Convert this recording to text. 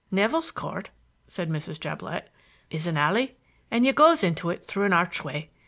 "Nevill's Court," said Mrs. Jablett, "is a alley, and you goes into it through a archway.